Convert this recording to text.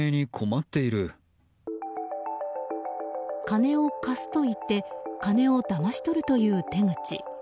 金を貸すと言って金をだまし取るという手口。